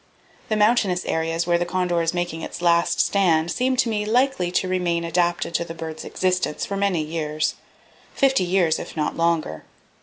"The mountainous areas where the condor is making its last stand seem to me likely to remain adapted to the bird's existence for many years,—fifty years, if not longer.